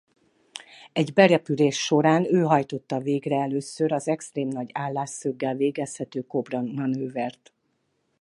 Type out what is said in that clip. Egy berepülés során ő hajtotta végre először az extrém nagy állásszöggel végezhető kobra manővert.